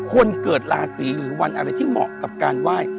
คนเกิดราศีหรือวันอะไรที่เหมาะกับการไหว้